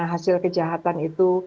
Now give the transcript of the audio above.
hasil kejahatan itu